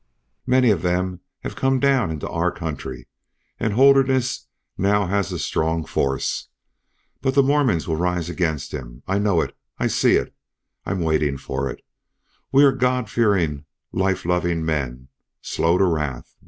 Many of them have come down into our country, and Holderness now has a strong force. But the Mormons will rise against him. I know it; I see it. I am waiting for it. We are God fearing, life loving men, slow to wrath.